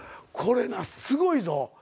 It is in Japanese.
これなすごいぞ。